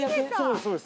そうです